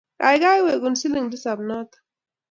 Kaikai egu siling tisap notok